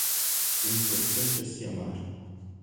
o importante é se amar